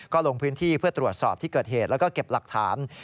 ก็ลงพื้นที่เพื่อตรวจสอบที่เกิดเหตุแล้วก็เก็บหลักฐาน